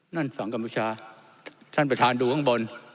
นั่นฝั่งกัมพูชาท่านประธานดูข้างบน